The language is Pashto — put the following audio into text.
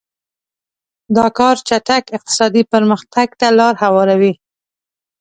دا کار چټک اقتصادي پرمختګ ته لار هواروي.